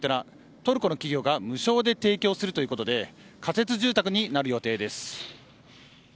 トルコの企業が無償で提供するということで仮設住宅になる予定です。